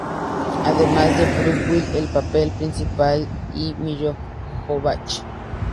Además de Bruce Willis en el papel principal y Milla Jovovich.